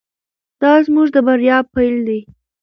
دا زموږ د بریا پیل دی.